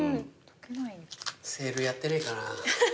セールやってねえかな。